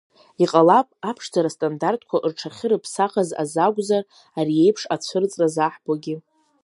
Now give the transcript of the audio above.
Иҟалап, аԥшӡара астандарҭқәа рҽахьырыԥсахыз азы акәзар, ари еиԥш ацәырҵра заҳбогьы…